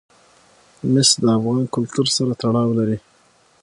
مس د افغان کلتور سره تړاو لري.